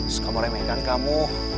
suka meremehkan kamu